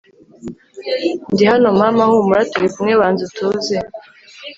ndi hano mama humura turikumwe banzutuze